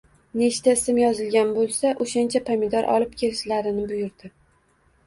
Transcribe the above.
Nechta ism yozilgan bo‘lsa, o‘shancha pomidor olib kelishlarini buyurdi